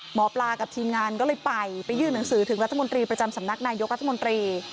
หมอปลากับทีมงานก็เลยไปไปยื่นหนังสือถึงรัฐมนตรีประจำสำนักนายกรัฐมนตรี